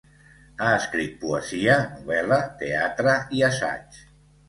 Ha escrit poesia, novel·la, teatre i assaig.